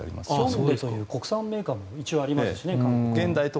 ヒョンデという国産メーカーもありますしね。